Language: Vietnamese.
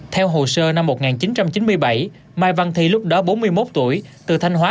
theo hồ sơ năm một nghìn chín trăm chín mươi bảy mai văn thi lúc đó bốn mươi một tuổi từ thanh hóa